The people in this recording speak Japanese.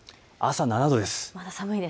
朝７度です。